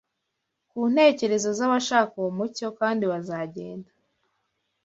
ku ntekerezo z’abashaka uwo mucyo; kandi bazagenda